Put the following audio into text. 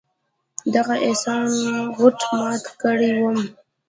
د هغه احسان غوټ مات کړى وم.